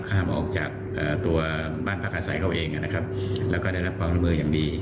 ห้ามออกจากตัวบ้านพักอาศัยเขาเองนะครับแล้วก็ได้รับความร่วมมืออย่างดี